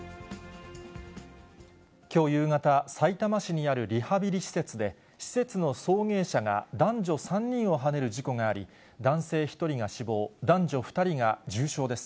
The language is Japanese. きょう夕方、さいたま市にあるリハビリ施設で、施設の送迎車が男女３人をはねる事故があり、男性１人が死亡、男女２人が重傷です。